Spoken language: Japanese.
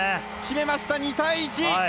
決めました、２対１！